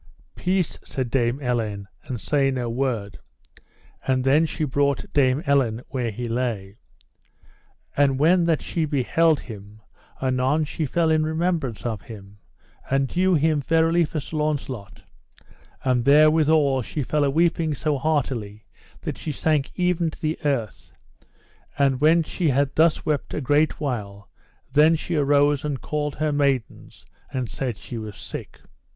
Peace, said Dame Elaine, and say no word: and then she brought Dame Elaine where he lay. And when that she beheld him, anon she fell in remembrance of him, and knew him verily for Sir Launcelot; and therewithal she fell a weeping so heartily that she sank even to the earth; and when she had thus wept a great while, then she arose and called her maidens and said she was sick.